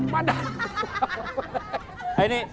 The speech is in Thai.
มันดัน